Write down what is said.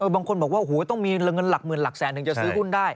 บางคนบอกว่าโอ้โหต้องมีเงินหลักหมื่นหลักแสนถึงจะซื้อหุ้นได้